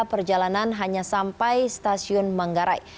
perjalanan hanya sampai stasiun manggarai